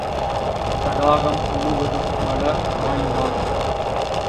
தடாகம் முழுவதும் மலர் மயந்தான்.